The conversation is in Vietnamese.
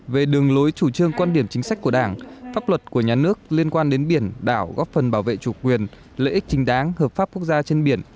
về đường lối chủ trương quan điểm chính sách của đảng pháp luật của nhà nước liên quan đến biển đảo góp phần bảo vệ chủ quyền lợi ích chính đáng hợp pháp quốc gia trên biển